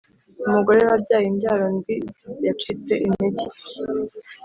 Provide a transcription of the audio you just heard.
Umugore wabyaye imbyaro ndwi yacitse intege